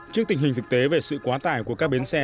trước tình hình thực tế về sự quá tải của các bến xe